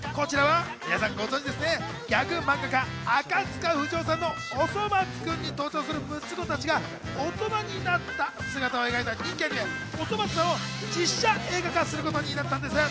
こちらは皆さんご存知、ギャグ漫画家・赤塚不二夫さんの『おそ松くん』に登場する六つ子たちが大人になった姿を描いた人気アニメ『おそ松さん』を実写映画化することになったんです。